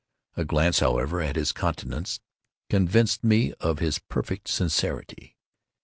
A glance, however, at his countenance, convinced me of his perfect sincerity.